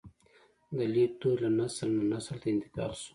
د لیک دود له نسل نه نسل ته انتقال شو.